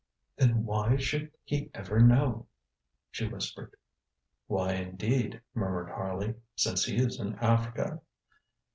ŌĆØ ŌĆ£Then why should he ever know? ŌĆØ she whispered. ŌĆ£Why, indeed, ŌĆØ murmured Harley, ŌĆ£since he is in Africa?